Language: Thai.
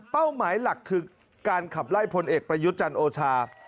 หมายหลักคือการขับไล่พลเอกประยุทธ์จันทร์โอชา